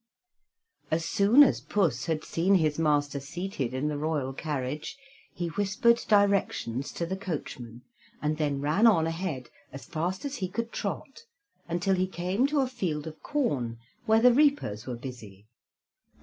As soon as Puss had seen his master seated in the royal carriage, he whispered directions to the coachman, and then ran on ahead as fast as he could trot, until he came to a field of corn, where the reapers were busy.